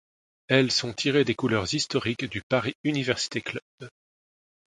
Elles sont tirées des couleurs historiques du Paris Université Club.